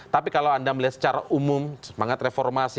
tapi kalau anda melihat secara umum semangat reformasi